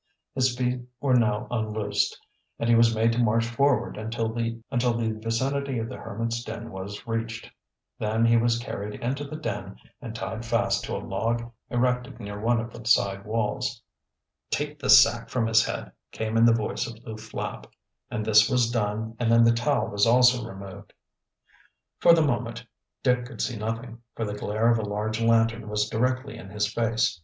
His feet were now unloosed and he was made to march forward until the vicinity of the hermit's den was reached. Then he was carried into the den and tied fast to a log erected near one of the side walls. "Take the sack from his head," came in the voice of Lew Flapp, and this was done and then the towel was also removed. For the moment Dick could see nothing, for the glare of a large lantern was directly in his face.